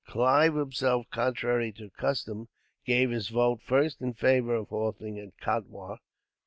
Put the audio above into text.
Clive himself, contrary to custom, gave his vote first in favour of halting at Katwa.